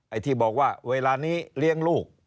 ไอ้ที่บอกว่าเวลานี้เลี้ยงลูก